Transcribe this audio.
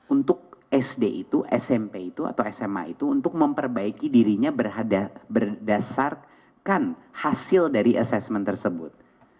untuk sd itu smp itu atau sma itu untuk memperbaiki dirinya berdasarkan hasil dari assessment tersebut